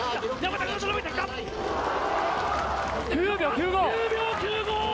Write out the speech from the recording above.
９秒９５！